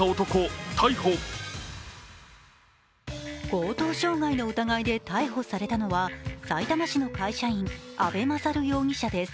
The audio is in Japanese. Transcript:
強盗傷害の疑いで逮捕されたのは、埼玉県の会社員、阿部勝容疑者です。